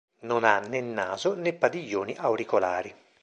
Non ha né naso né padiglioni auricolari.